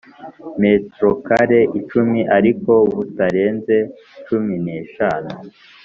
Metero kare icumi ariko butarenze cumi n’eshanu